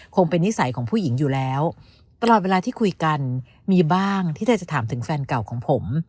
คงเป็นนิสัยของผู้หญิงอยู่แล้วตลอดเวลาที่คุยกันมีบ้างที่เธอจะถามถึงแฟนเก่าของผม